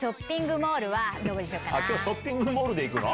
今日ショッピングモールでいくの？